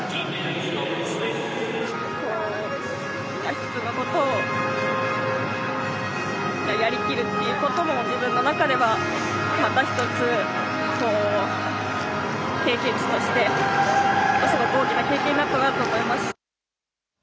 一つのことをやりきるということも自分の中ではまた一つ経験値として大きな経験になったなと思います。